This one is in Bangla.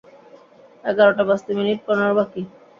এগারোটা বাজতে মিনিট পনেরো বাকি।